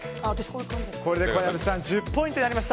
これで小籔さん１０ポイントになりました。